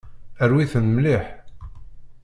Rwit-ten mliḥ.